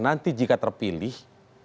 nanti jika terpilih